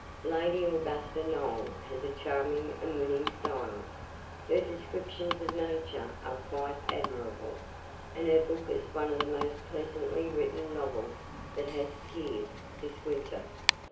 Lady Augusta Noel has a charming and winning style, her descriptions of Nature are quite admirable, and her book is one of the most pleasantly written novels that has appeared this winter.